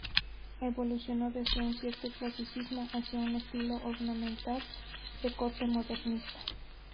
Evolucionó desde un cierto clasicismo hacia un estilo ornamental de corte modernista.